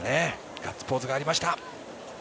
ガッツポーズがありました。